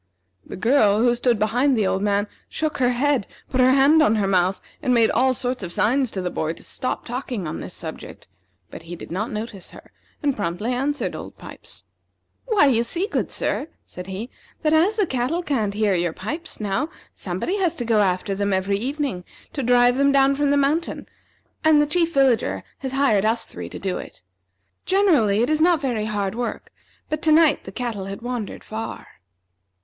The girl, who stood behind the old man, shook her head, put her hand on her mouth, and made all sorts of signs to the boy to stop talking on this subject; but he did not notice her, and promptly answered Old Pipes. "Why, you see, good sir," said he, "that as the cattle can't hear your pipes now, somebody has to go after them every evening to drive them down from the mountain, and the Chief Villager has hired us three to do it. Generally it is not very hard work, but to night the cattle had wandered far."